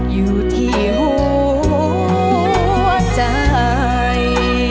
อยู่ที่หัวใจ